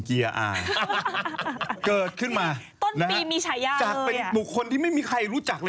ลงมาแล้วมีคนไปสัมภาษณ์บอกเลย